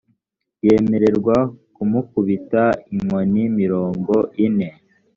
yemererwa kumukubita inkoni mirongo ine